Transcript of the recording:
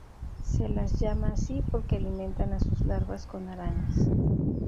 Se las llama así porque alimentan a sus larvas con arañas.